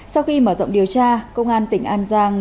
sau khi mở rộng điều tra công an tỉnh an giang